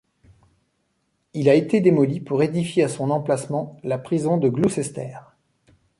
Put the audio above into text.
Il a été démoli pour édifier à son emplacement la prison de Gloucester.